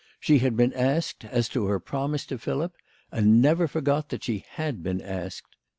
She had been asked as to her promise to Philip, and never for got that she had been asked.